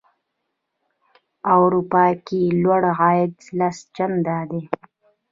په اروپا کې لوړ عاید لس چنده دی.